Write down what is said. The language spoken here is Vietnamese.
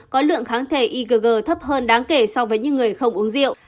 có lượng kháng thể igg thấp hơn đáng kể so với những người không uống rượu